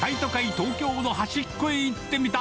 東京の端っこへ行ってみた！